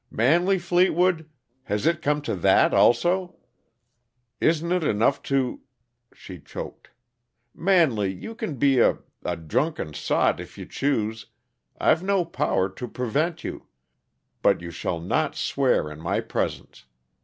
"Manley Fleetwood! Has it come to that, also? Isn't it enough to " She choked. "Manley, you can be a a drunken sot, if you choose I've no power to prevent you; but you shall not swear in my presence.